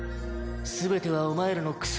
全てはお前らのクソ